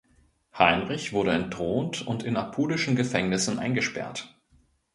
Heinrich wurde entthront und in apulischen Gefängnissen eingesperrt.